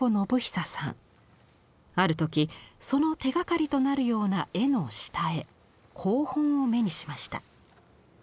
ある時その手がかりとなるような絵の下絵稿本を目にしました。